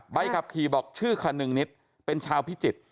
ในบัตรขับขี่บอกชื่อค่ะนึงนิตเป็นชาวพิจิฐ